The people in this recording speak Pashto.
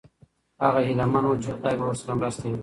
هغه هیله من و چې خدای به ورسره مرسته وکړي.